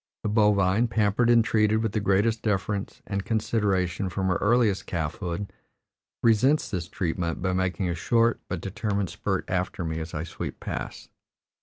The bovine, pampered and treated with the greatest deference and consideration from her earliest calfhood, resents this treatment by making a short but determined spurt after me as I sweep past.